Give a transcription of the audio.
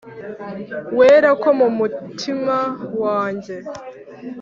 Wera ko mu mutima wanjye